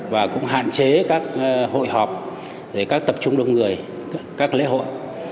và cũng hạn chế các hội họp để các tập trung đông người các lễ hội